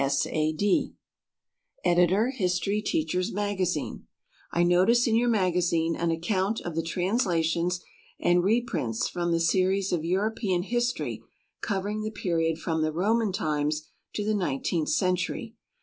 S. A. D. Editor HISTORY TEACHER'S MAGAZINE. "I notice in your magazine an account of the translations and reprints from the series of European history covering the period from the Roman times to the nineteenth century.